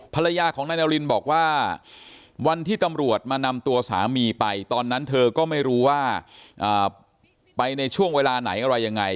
ภรรยาของนายนารินบอกว่าวันที่ตำรวจมานำตัวสามีไปตอนนั้นเธอก็ไม่รู้ว่าไปในช่วงเวลาไหนอะไรยังไง